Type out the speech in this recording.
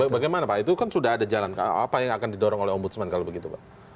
bagaimana pak itu kan sudah ada jalan apa yang akan didorong oleh ombudsman kalau begitu pak